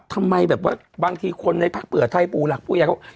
ทำไมแบบว่าบางทีคนในภาคเปรือไทยปูหลักผู้อย่างเขา